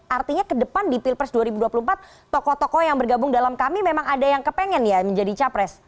artinya ke depan di pilpres dua ribu dua puluh empat tokoh tokoh yang bergabung dalam kami memang ada yang kepengen ya menjadi capres